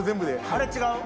あれ違う？